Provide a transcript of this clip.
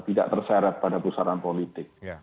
tidak terseret pada pusaran politik